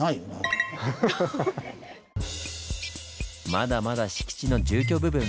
まだまだ敷地の住居部分。